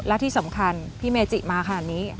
และที่สำคัญพี่เมจิมาขนาดนี้